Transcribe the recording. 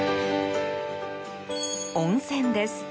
温泉です。